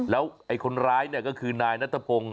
แล้วคนร้ายก็คือนายนัทพงศ์